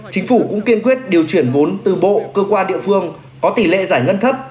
chính phủ cũng kiên quyết điều chuyển vốn từ bộ cơ quan địa phương có tỷ lệ giải ngân thấp